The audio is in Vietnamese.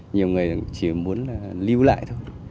nhiều người chỉ muốn là lưu lại thôi